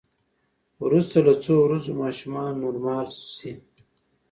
وروسته له څو ورځو ماشومان نورمال شي.